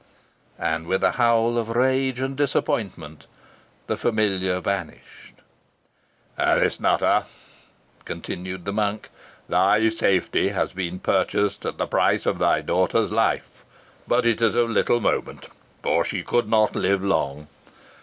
And with a howl of rage and disappointment the familiar vanished. "Alice Nutter," continued the monk, "thy safety has been purchased at the price of thy daughter's life. But it is of little moment, for she could not live long.